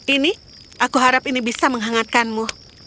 ini aku harap ini bisa menghangatkanmu